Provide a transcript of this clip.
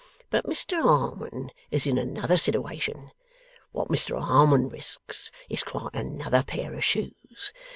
But Mr Harmon is in another sitiwation. What Mr Harmon risks, is quite another pair of shoes.